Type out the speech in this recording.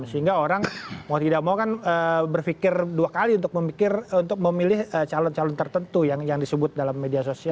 sehingga orang mau tidak mau kan berpikir dua kali untuk memilih calon calon tertentu yang disebut dalam media sosial